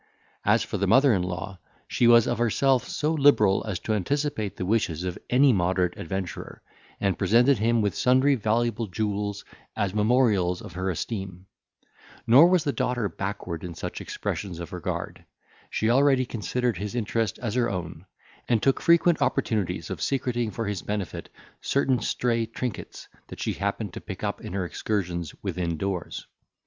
As for the mother in law, she was of herself so liberal as to anticipate the wishes of any moderate adventurer, and presented him with sundry valuable jewels, as memorials of her esteem; nor was the daughter backward in such expressions of regard; she already considered his interest as her own, and took frequent opportunities of secreting for his benefit certain stray trinkets that she happened to pick up in her excursions within doors.